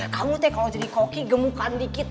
kamu deh kalau jadi koki gemukan dikit